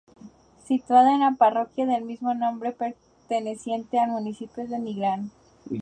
Situado en la parroquia del mismo nombre perteneciente al municipio de Nigrán.